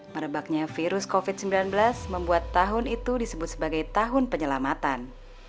merebaknya virus covid sembilan belas membuat tahun itu disebut sebagai tahun penyelamatan